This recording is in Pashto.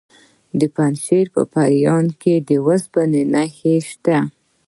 د پنجشیر په پریان کې د اوسپنې نښې شته.